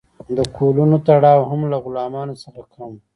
د کولونو تړاو هم له غلامانو څخه کم و.